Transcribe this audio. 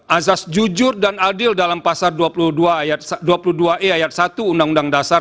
azas jujur dan adil dalam pasar dua puluh dua e ayat satu undang undang dasar seribu sembilan ratus empat puluh lima